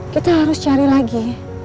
kita harus cari lagi